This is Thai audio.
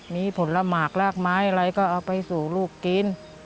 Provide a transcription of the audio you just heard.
มีผลหมากลากไม้อะไรก็เอาไปสู่ลูกกิน